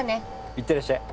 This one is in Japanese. いってらっしゃい。